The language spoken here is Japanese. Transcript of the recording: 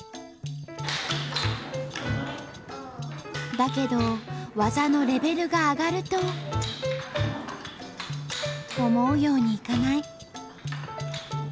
だけど技のレベルが上がると思うようにいかない。